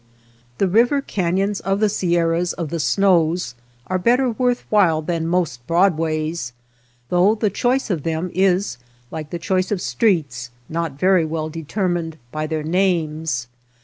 The river caiions of the Sierras of the Snows are better worth while than most Broadways, though the choice of them is like the choice of streets, not very well de termined by their names.